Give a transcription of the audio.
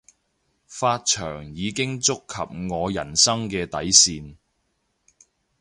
髮長已經觸及我人生嘅底線